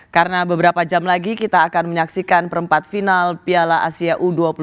karena beberapa jam lagi kita akan menyaksikan perempat final piala asia u dua puluh tiga